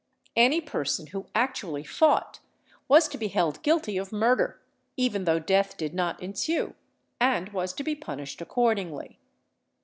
Any person who actually fought, was to be held guilty of murder, even though death did not ensue, and was to be punished accordingly.